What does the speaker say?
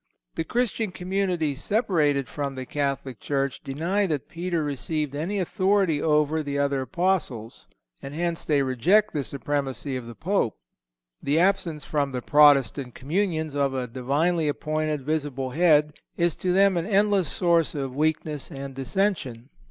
The Christian communities separated from the Catholic Church deny that Peter received any authority over the other Apostles, and hence they reject the supremacy of the Pope. The absence from the Protestant communions of a Divinely appointed, visible Head is to them an endless source of weakness and dissension.